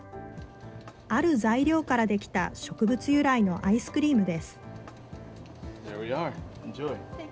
ある材料から出来た植物由来のアイスクリームです。